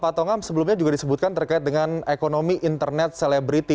pak tongam sebelumnya juga disebutkan terkait dengan ekonomi internet selebriti